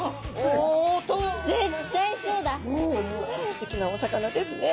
すてきなお魚ですね。